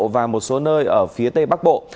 và một số nơi ở phía tây bắc bộ